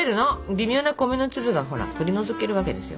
微妙な米の粒が取り除けるわけですよ。